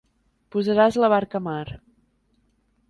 Posaràs la barca a mar.